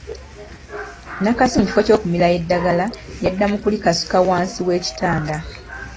Nakasi mu kifo ky’okumira eddagala yadda mu kulikasuka wansi w’ekitanda.